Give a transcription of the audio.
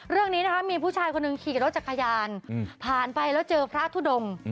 เรื่องนี้นะคะมีผู้ชายคนหนึ่งขี่รถจักรยานผ่านไปแล้วเจอพระทุดง